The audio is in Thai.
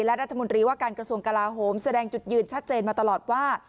และรัฐมนตรีว่าการกระทรวงกลาโหมแสดงจุดยืนชัดเจนมาตลอดว่า